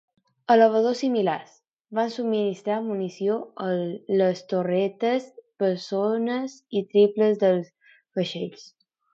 Elevadors similars, van subministrar munició a les torretes bessones i triples dels vaixells.